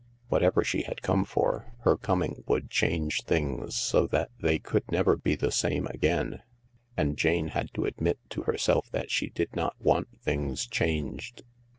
Whatever she had come for, her coming would change things so that they could never be the same again, and Jane had to admit to herself that she did not want things changed.